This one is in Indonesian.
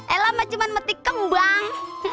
elah mah cuma mati kembang